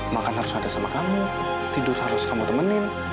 makan harus ada sama kamu tidur harus kamu temenin